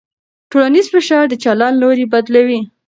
ټولنیز فشار د چلند لوری بدلوي.